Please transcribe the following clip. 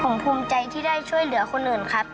ผมภูมิใจที่ได้ช่วยเหลือคนอื่นครับ